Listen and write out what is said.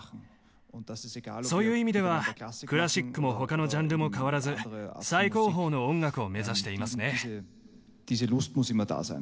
そういう意味ではクラシックも他のジャンルも変わらず最高峰の音楽を目指していますね。